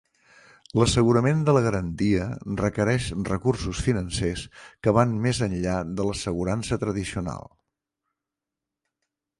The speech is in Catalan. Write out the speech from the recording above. L'assegurament de la garantia requereix recursos financers que van més enllà de l'assegurança tradicional.